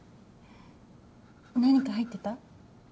何か入ってた？